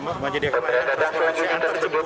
yang pertama memanjakan layanan transportasi antar jemput